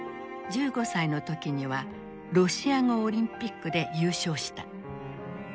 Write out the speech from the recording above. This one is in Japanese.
１５歳の時にはロシア語オリンピックで優勝した。